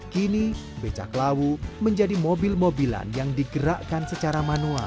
kini becak lawu menjadi mobil mobilan yang digerakkan secara manual